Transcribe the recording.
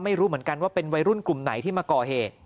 ไม่รู้เหมือนกันว่าเป็นวัยรุ่นกลุ่มไหนที่มาก่อเหตุ